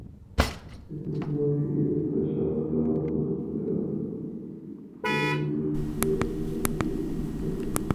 Its remains is preserved to allow the municipality to keep its fame.